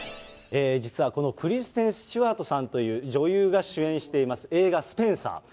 実はこのクリステン・スチュワートさんという女優が主演しています映画、スペンサー。